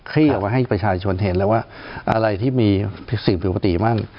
คลี่ออกมาให้ประชาชนเห็นแล้วว่าอะไรที่มีสิ่งผิวปฏิบ้าง